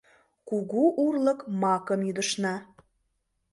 Кугу урлык макым ӱдышна.